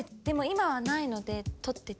でも今はないので。